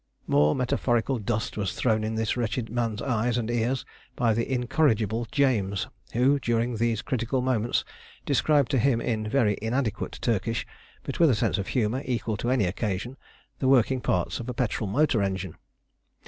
More metaphorical dust was thrown in this wretched man's eyes and ears by the incorrigible James, who during these critical moments described to him, in very inadequate Turkish, but with a sense of humour equal to any occasion, the working parts of a petrol motor engine.